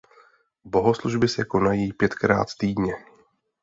Bohoslužby se konají pětkrát týdně.